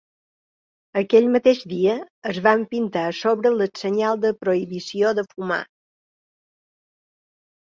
Aquell mateix dia, es van pintar a sobre les senyals de prohibició de fumar.